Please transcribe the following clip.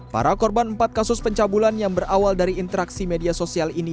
para korban empat kasus pencabulan yang berawal dari interaksi media sosial ini